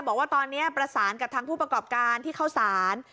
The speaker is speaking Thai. บอกว่าตอนนี้ประสานกับทางผู้ประกอบการที่เข้าสาร